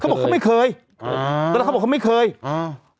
เขาบอกเขาไม่เคยอ๋อเดี๋ยวเขาบอกเขาไม่เคยอ่า